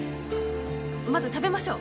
まず食べましょう。